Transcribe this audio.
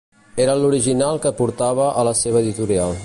Era l'original que portava a la seva editorial.